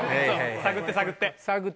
探って探って。